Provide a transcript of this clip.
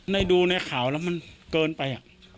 ในดูข่าวมากมันเกินไป